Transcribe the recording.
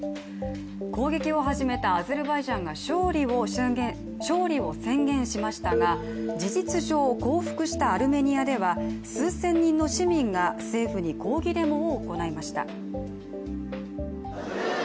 攻撃を始めたアゼルバイジャンが勝利を宣言しましたが事実上、降伏したアルメニアでは数千人の市民が政府に抗議デモを行いました。